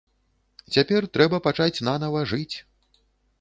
Цяпер трэба пачаць нанава жыць.